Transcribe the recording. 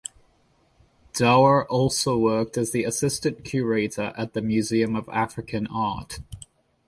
Dougher also worked as assistant curator at The Museum of African Art.